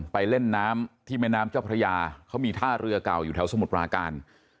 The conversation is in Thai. ไปเล่นน้ำที่แม่น้ำเจ้าพระยาเขามีท่าเรือเก่าอยู่แถวสมุทรปราการ